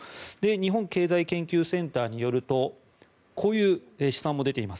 日本経済研究センターによるとこういう試算も出ています。